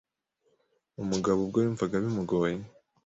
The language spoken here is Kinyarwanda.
Umugabo ubwo yumvaga bimugoye